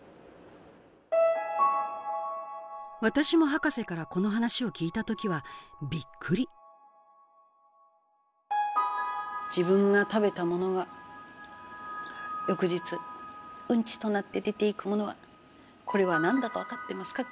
私もハカセからこの話を聞いた時はびっくり「自分が食べたものが翌日うんちとなって出ていくものはこれは何だか分かってますか？